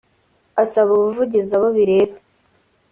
asaba ubuvugizi abo bireba